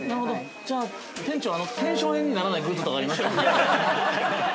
◆じゃあ店長、腱鞘炎にならないグッズとかありますか？